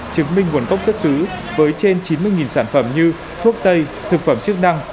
chứng minh nguồn gốc xuất xứ với trên chín mươi sản phẩm như thuốc tây thực phẩm chức năng